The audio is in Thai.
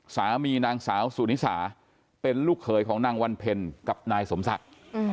นางสาวสุนิสาเป็นลูกเขยของนางวันเพ็ญกับนายสมศักดิ์